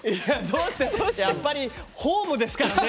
やっぱりホームですからね。